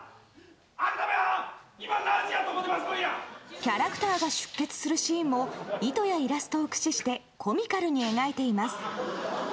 キャラクターが出血するシーンも糸やイラストを駆使してコミカルに描いています。